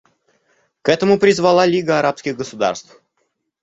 К этому призвала Лига арабских государств.